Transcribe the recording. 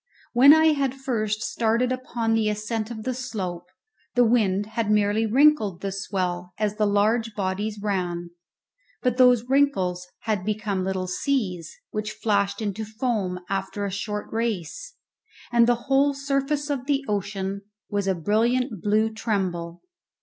When I had first started upon the ascent of the slope, the wind had merely wrinkled the swell as the large bodies ran; but those wrinkles had become little seas, which flashed into foam after a short race, and the whole surface of the ocean was a brilliant blue tremble.